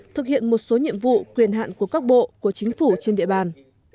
thực hiện một số nhiệm vụ quyền hạn của các bộ của chính phủ trên địa bàn